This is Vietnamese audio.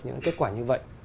những kết quả như vậy